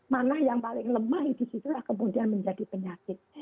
mana yang paling lemah disitulah kemudian menjadi penyakit